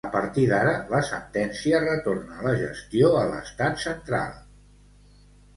A partir d'ara, la sentència retorna la gestió a l'estat central.